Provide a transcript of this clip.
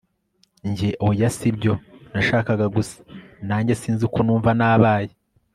Njye oya sibyo nashakaga gusa nanjye sinzi uko numva nabaye